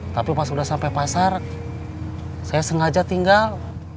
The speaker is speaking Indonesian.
tapi pas udah sampai pasar saya sengaja tinggal